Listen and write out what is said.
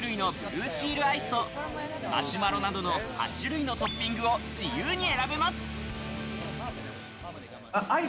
１４種類のブルーシールアイスとマシュマロなどの８種類のトッピングを自由に選べます。